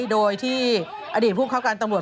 โดยที่อดีตผู้เข้าการตำรวจ